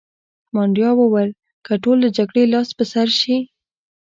مانیرا وویل: که ټول له جګړې لاس په سر شي.